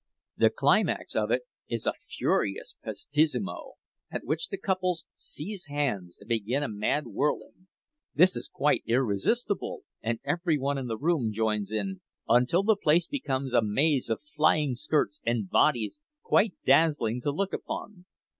The climax of it is a furious prestissimo, at which the couples seize hands and begin a mad whirling. This is quite irresistible, and every one in the room joins in, until the place becomes a maze of flying skirts and bodies quite dazzling to look upon.